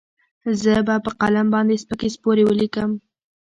زه به په قلم باندې سپکې سپورې وليکم.